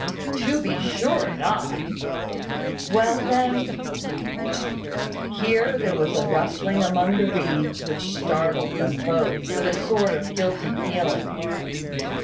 "To be sure not." "Well, then " Here there was a rustling among the reeds which startled them both, with a sort of guilty feeling.